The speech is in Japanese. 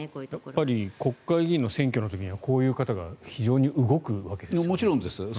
やっぱり国会議員の選挙の時にはこういう方がもちろんです。